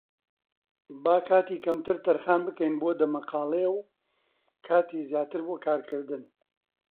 با کاتی کەمتر تەرخان بکەین بۆ دەمەقاڵێ و کاتی زیاتر بۆ کارکردن.